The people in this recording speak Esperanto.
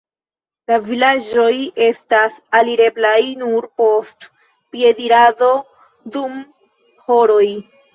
La vilaĝoj estas alireblaj nur post piedirado dum horoj.